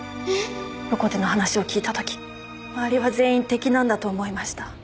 横手の話を聞いた時周りは全員敵なんだと思いました。